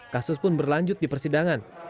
kasus pun berlanjut di persidangan